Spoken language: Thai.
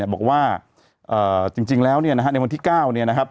บอกว่าจริงแล้วในวันที่๙